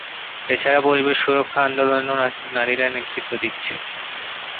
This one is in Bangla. এছাড়া পরিবেশ সুরক্ষা আন্দোলনেও নারীরা নেতৃত্ব দিচ্ছে।